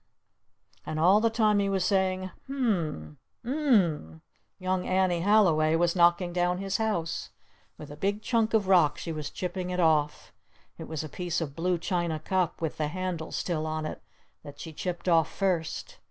And all the time that he was saying "U m m m U m m m," young Annie Halliway was knocking down his house. With a big chunk of rock she was chipping it off. It was a piece of blue china cup with the handle still on it that she chipped off first.